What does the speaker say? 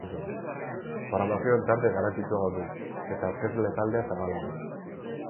Programazioan tarte garrantzitsuagoa du eta aurkezle taldea zabalagoa.